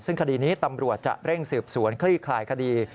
ซึ่งคดีนี้ตำรวจจะเร่งสืบสวนคลี่คลายคดี